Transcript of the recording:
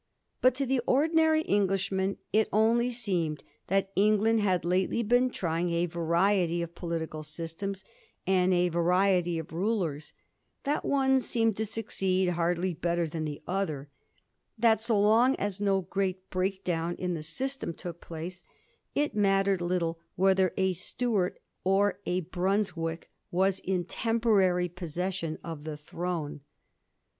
But to the ordinary Englishman it only seemed that England had lately been trying a variety of political systems and a variety of rulers ; that one seemed to succeed hardly better than the other ; that so long as no great break down in the system took place, it mattered little whether a Stuart or a Brunswick was in tem porary possession of the throne.